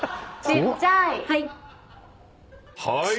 はい。